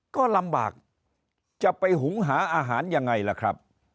ก็ลำบากจะไปหุงหาอาหารยังไงล่ะครับ